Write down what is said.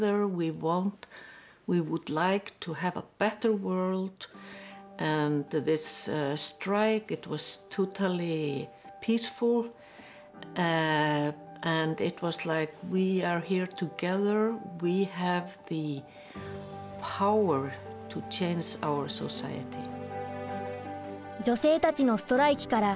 女性たちのストライキから４５年。